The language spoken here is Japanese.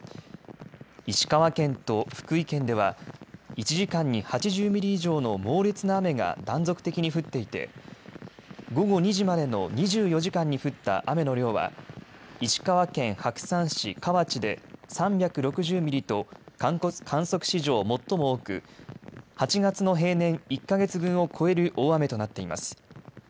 石川県と福井県では１時間に８０ミリ以上の猛烈な雨が断続的に降っていて午後２時までの２４時間に降った雨の量は石川県白山市河内で３６０ミリと観測史上最も多く、８月の平年１か月分を超える大雨となっています。